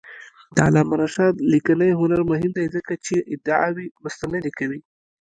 د علامه رشاد لیکنی هنر مهم دی ځکه چې ادعاوې مستندې کوي.